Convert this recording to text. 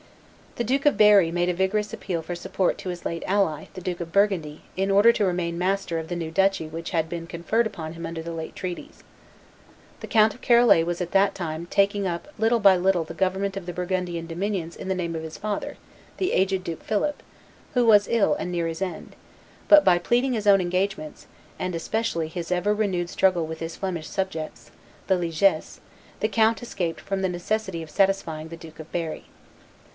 The Duke of Berry made a vigorous appeal for support to his late ally, the Duke of Burgundy, in order to remain master of the new duchy which had been conferred upon him under the late treaties. The Count of Charolais was at that time taking up little by little the government of the Burgundian dominions in the name of his father, the aged Duke Philip, who was ill and near his end; but, by pleading his own engagements, and especially his ever renewed struggle with his Flemish subjects, the Liegese, the count escaped from the necessity of satisfying the Duke of Berry.